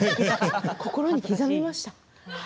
心に刻みました。